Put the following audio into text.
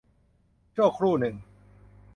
ชั่วครู่หนึ่ง